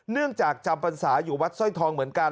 จากจำพรรษาอยู่วัดสร้อยทองเหมือนกัน